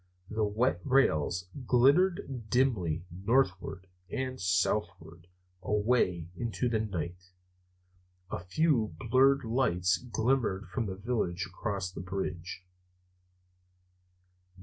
The wet rails glittered dimly northward and southward away into the night. A few blurred lights glimmered from the village across the bridge.